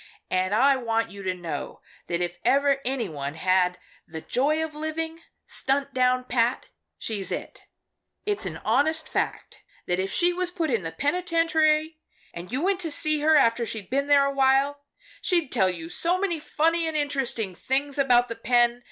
And I want you to know that if ever any one had the joy of living stunt down pat, she's it. It's an honest fact that if she was put in the penitentiary and you went to see her after she'd been there awhile, she'd tell you so many funny and interesting things about the pen.